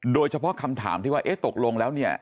โดยเฉพาะคำถามที่ว่าเอ๊ะตกลงแล้วเนี่ย